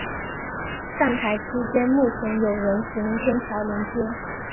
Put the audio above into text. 站台之间目前有人行天桥连接。